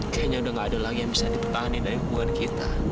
kayaknya udah gak ada lagi yang bisa ditanganin dari hubungan kita